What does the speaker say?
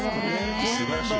すばらしい。